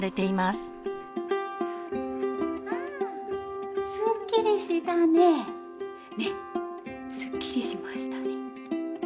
すっきりしましたね！